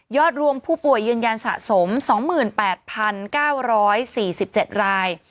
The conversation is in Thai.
รวมผู้ป่วยยืนยันสะสม๒๘๙๔๗ราย